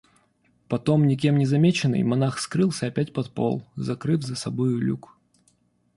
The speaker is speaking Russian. Потом, никем не замеченный, монах скрылся опять под пол, закрыв за собою люк.